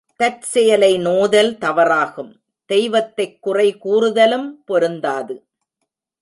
தற்செயலை நோதல் தவறாகும், தெய்வத்தைக் குறைகூறுதலும் பொருந்தாது.